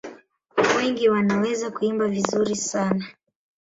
Wengi wanaweza kuimba vizuri sana.